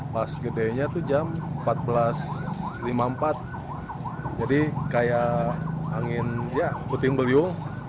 pas gedenya itu jam empat belas lima puluh empat jadi kayak angin ya puting beliung